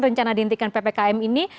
rencana dihentikan ppkm ini